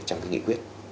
trong cái nghị quyết